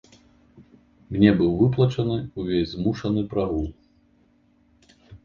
Мне быў выплачаны увесь змушаны прагул.